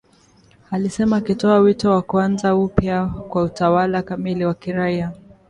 alisema akitoa wito wa kuanza upya kwa utawala kamili wa kiraia